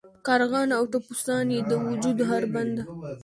کارغان او ټپوسان یې د وجود هر بند.